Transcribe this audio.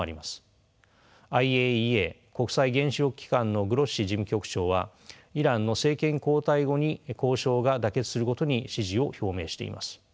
ＩＡＥＡ国際原子力機関のグロッシ事務局長はイランの政権交代後に交渉が妥結することに支持を表明しています。